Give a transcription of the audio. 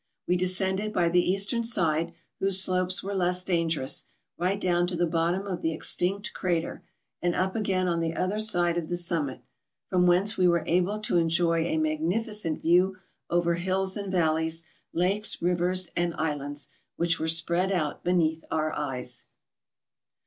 We descended by the eastern side, whose slopes were less dangerous, right down to the bottom of the extinct crater, and up again on the other side to the summit, from whence we were able to enjoy a magnificent view over hills and valleys, lakes, rivers, and islands, which were spread out beneath our eyes.